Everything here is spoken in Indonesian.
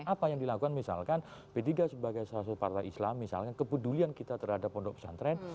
apa yang dilakukan misalkan p tiga sebagai salah satu partai islam misalkan kepedulian kita terhadap pondok pesantren